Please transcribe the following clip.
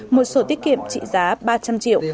một sổ tiết kiệm trị giá ba trăm linh triệu